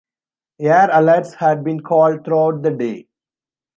Air alerts had been called throughout the day.